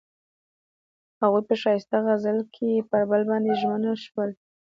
هغوی په ښایسته غزل کې پر بل باندې ژمن شول.